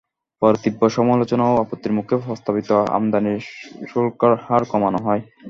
পরে তীব্র সমালোচনা ও আপত্তির মুখে প্রস্তাবিত আমদানি শুল্কহার কমানো হয়।